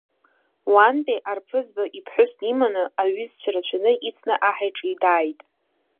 Уантәи арԥызба иԥҳәыс диманы, аҩызцәа рацәаны ицны аҳ иҿы дааит.